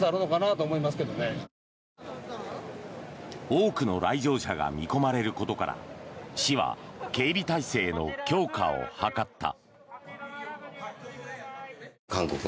多くの来場者が見込まれることから市は警備体制の強化を図った。